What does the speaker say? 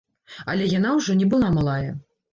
Але яна ўжо не была малая.